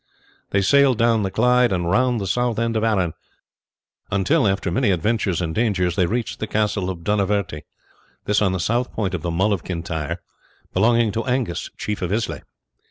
They sailed down the Clyde and round the south end of Arran, until, after many adventures and dangers, they reached the Castle of Dunaverty, on the south point of the Mull of Kintyre, belonging to Angus, chief of Islay.